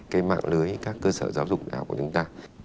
cái mạng lưới các cơ sở giáo dục đại học của chúng ta